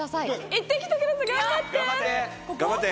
行ってきてください頑張って！頑張って！